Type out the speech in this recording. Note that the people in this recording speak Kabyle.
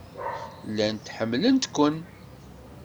Llant ḥemmlent-kem.